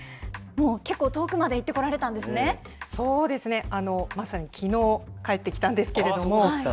結構、遠くまで行ってこられたんそうですね、まさにきのう、帰ってきたんですけれども。